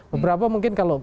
beberapa mungkin kalau